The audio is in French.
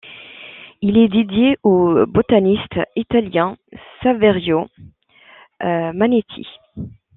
Il est dédié au botaniste italien Saverio Manetti.